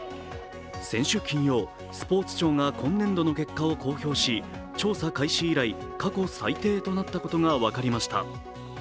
先週金曜、スポーツ庁が今年度の結果を公表し、調査開始以来、過去最低となったことが分かりました。